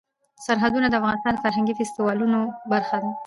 سرحدونه د افغانستان د فرهنګي فستیوالونو برخه ده.